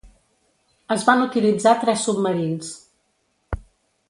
Es van utilitzar tres submarins.